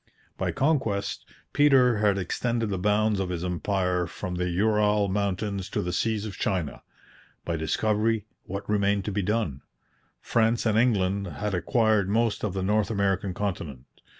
By conquest, Peter had extended the bounds of his empire from the Ural Mountains to the seas of China. By discovery, what remained to be done? France and England had acquired most of the North American continent.